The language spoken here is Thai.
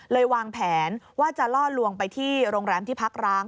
วางแผนว่าจะล่อลวงไปที่โรงแรมที่พักร้าง